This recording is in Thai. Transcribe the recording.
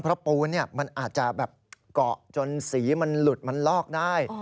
เพราะปูนมันอาจจะแบบเกาะจนสีมันหลุดมันลอกได้